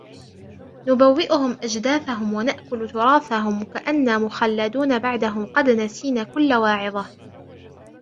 نُبَوِّئُهُمْ أَجْدَاثَهُمْ وَنَأْكُلُ تُرَاثَهُمْ كَأَنَّا مُخَلَّدُونَ بَعْدَهُمْ قَدْ نَسِينَا كُلَّ وَاعِظَةٍ